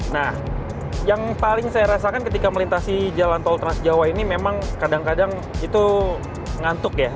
nah yang paling saya rasakan ketika melintasi jalan tol trans jawa ini memang kadang kadang itu ngantuk ya